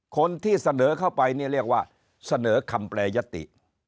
คนที่เสนอเข้าไปเนี่ยเรียกว่าเสนอคำแปรยติ